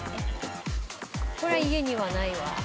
これは家にはないわ。